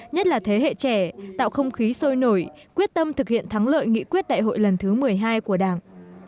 nhất là thế hệ trẻ tạo không khí sôi nổi quyết tâm thực hiện thắng lợi nghị quyết đại hội lần thứ một mươi hai của đảng